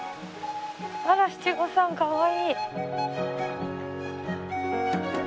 あら七五三かわいい。